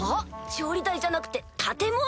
調理台じゃなくて建物？